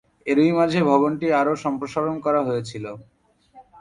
এরই মাঝে ভবনটি আরও সম্প্রসারণ করা হয়েছিল।